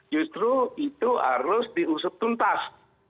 justru itu harus diusut tuntas